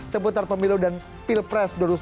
seputar pemilu dan pilpres